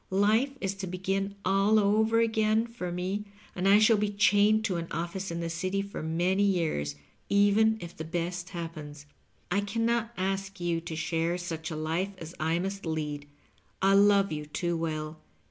Life is to begin all over again for me, and I shall be chained to an office in the City for many years, even if the best happens. I can not ask you to share such a life as I must lead — I love you too well.